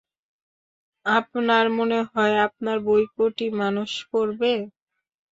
আপনার মনে হয়, আপনার বই কোটি মানুষ পড়বে?